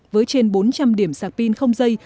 với trên bốn trăm linh điểm sạc pin không dây